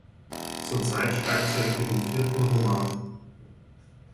Zurzeit schreibt sie an ihrem vierten Roman.